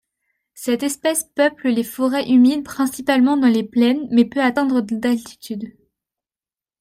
Cette espèce peuple les forêts humides principalement dans les plaines mais peut atteindre d'altitude.